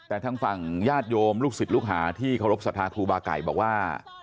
แต่ทางฝั่งญาติโยมลูกศิษย์ลูกหาที่เคารพสัทธาครูบาไก่บอกว่า